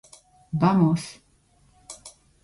ばもす。